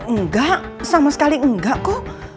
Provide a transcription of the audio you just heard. enggak sama sekali enggak kok